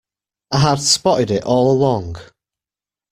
I had spotted it all along.